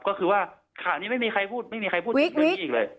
ก็คือว่าข่าวนี้ไม่มีใครพูดไม่มีใครพูดถึงเรื่องนี้อีกเลย